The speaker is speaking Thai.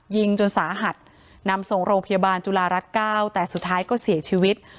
ยิงจนสาหัสนำส่งโรงพยาบาลจุฬารัฐเก้าแต่สุดท้ายก็เสียชีวิต